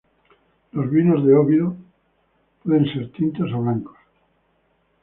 Los vinos de Óbidos pueden ser tintos o blancos.